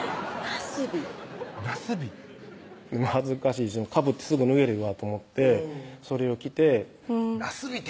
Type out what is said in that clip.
恥ずかしいしかぶってすぐ脱げるわと思ってそれを着てなすびて！